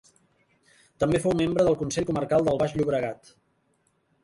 També fou membre del Consell Comarcal del Baix Llobregat.